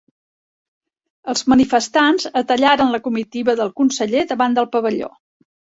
Els manifestants atallaran la comitiva del conseller davant del pavelló.